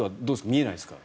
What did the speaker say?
見えないですか？